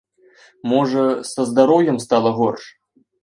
Можа, са здароўем стала горш.